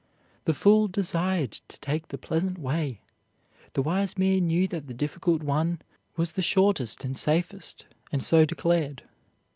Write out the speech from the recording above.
The fool desired to take the pleasant way; the wise man knew that the difficult one was the shortest and safest, and so declared.